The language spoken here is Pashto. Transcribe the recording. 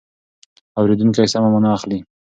اورېدونکی سمه مانا اخلي.